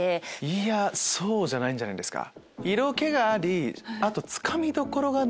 いやそうじゃないんじゃないですか。